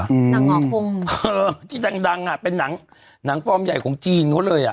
หนังงอคงเออที่ดังดังอ่ะเป็นหนังหนังฟอร์มใหญ่ของจีนเขาเลยอ่ะ